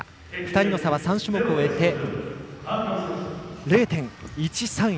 ２人の差は３種目終えて０．１３４です。